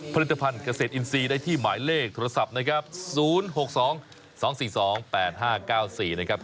ผลิตภัณฑ์เกษตรอินทรีย์ได้ที่หมายเลขโทรศัพท์นะครับ๐๖๒๒๔๒๘๕๙๔นะครับ